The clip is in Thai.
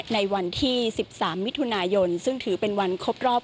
ในวันที่๑๓มิถุนายนซึ่งถือเป็นวันครบรอบ